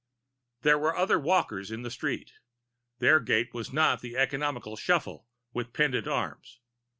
There were other walkers in the street. Their gait was not the economical shuffle with pendant arms.